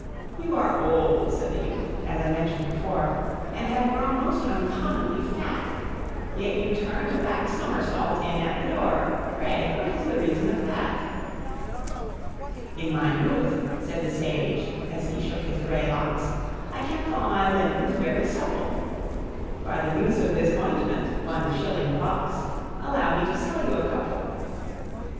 "You are old," said the youth, "as I mentioned before, And have grown most uncommonly fat; Yet you turned a back somersault in at the door Pray, what is the reason of that?" "In my youth," said the sage, as he shook his gray locks, "I kept all my limbs very supple By the use of this ointment one shilling the box Allow me to sell you a couple."